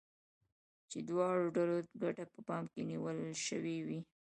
چې د دواړو ډلو ګټه په پام کې نيول شوې وي.